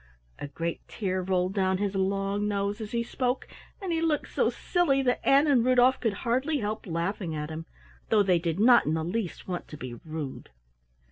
A great tear rolled down his long nose as he spoke, and he looked so silly that Ann and Rudolf could hardly help laughing at him, though they did not in the least want to be rude.